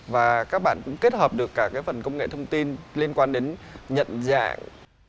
và các bạn cũng kết hợp được cả cái phần công nghệ thông tin liên quan đến nhận dạng